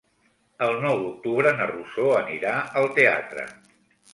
El nou d'octubre na Rosó anirà al teatre.